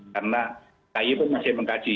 karena kai pun masih mengkaji